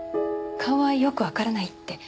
顔はよくわからないって。